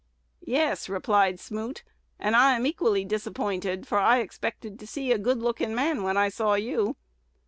"Yes," replied Smoot; "and I am equally disappointed, for I expected to see a good looking man when I saw you."